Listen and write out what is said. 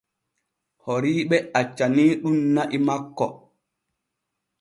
Horiiɓe accaniiɗun na'i makko.